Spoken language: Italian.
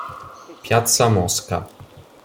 Piazza Mosca